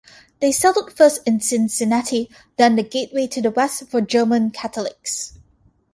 They settled first in Cincinnati, then the gateway to the west for German Catholics.